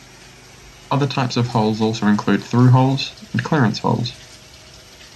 Other types of holes also include through holes, and clearance holes.